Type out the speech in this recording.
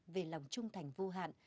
về lòng trung thành vô hạn